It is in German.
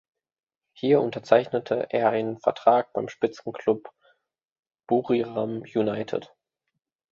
Hier unterzeichnete er einen Vertrag beim Spitzenclub Buriram United.